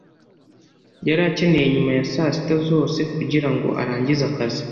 Yari akeneye nyuma ya saa sita zose kugirango arangize akazi.